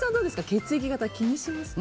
血液型、気にしますか？